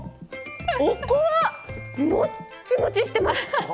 おこわもっちもちしてます。